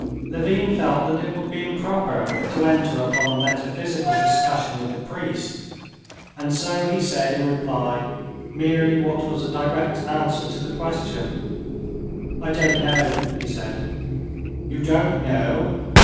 Levin felt that it would be improper to enter upon a metaphysical discussion with the priest, and so he said in reply merely what was a direct answer to the question. "I don't know," he said. "You don't know!